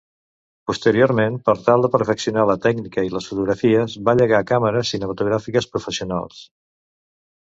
Posteriorment, per tal de perfeccionar la tècnica i les fotografies va llegar càmeres cinematogràfiques professionals.